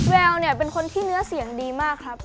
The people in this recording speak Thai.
แววเนี่ยเป็นคนที่เนื้อเสียงดีมากครับ